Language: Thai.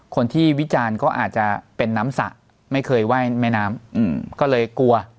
วิจารณ์ก็อาจจะเป็นน้ำสระไม่เคยไหว้แม่น้ำก็เลยกลัว